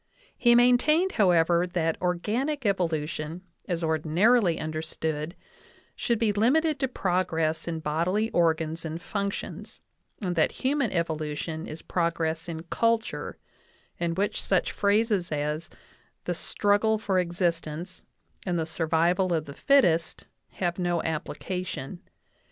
He maintained, however, that organic evolu tion, as ordinarily understood, should be limited to progress in bodily organs and functions, and that human evolution is progress in culture, in which such phrases as the "struggle for existence" and "the survival of the fittest" have no application.